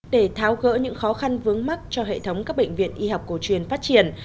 để tháo gỡ những khó khăn vướng mắt cho hệ thống các bệnh viện y học cổ truyền phát triển